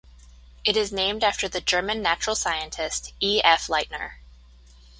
It is named after the German natural scientist E. F. Leitner.